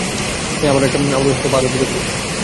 হেই, আমার একটা পাহাড়ে পৌঁছাতে হবে, এসো পিচ্চি।